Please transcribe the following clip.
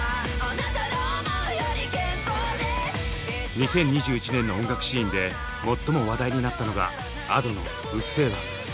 ２０２１年の音楽シーンで最も話題になったのがＡｄｏの「うっせぇわ」。